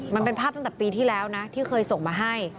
มันเป็นภาพตั้งแต่ปีที่แล้วนะที่เคยส่งมาให้